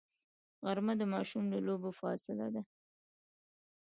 غرمه د ماشوم له لوبو فاصله ده